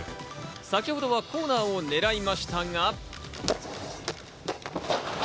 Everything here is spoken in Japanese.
先ほどはコーナーを狙いましたが。